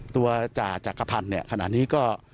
จ่าจักรพันธ์เนี่ยขณะนี้ก็